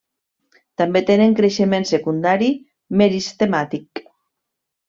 També tenen creixement secundari meristemàtic.